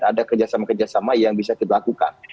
ada kerjasama kerjasama yang bisa kita lakukan